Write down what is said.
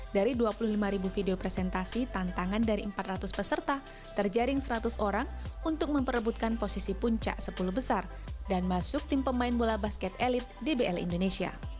dari dua puluh lima ribu video presentasi tantangan dari empat ratus peserta terjaring seratus orang untuk memperebutkan posisi puncak sepuluh besar dan masuk tim pemain bola basket elit dbl indonesia